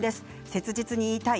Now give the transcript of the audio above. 切実に言いたい。